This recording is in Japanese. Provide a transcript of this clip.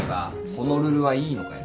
ホノルルはいいのかよ。